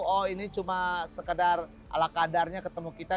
oh ini cuma sekedar ala kadarnya ketemu kita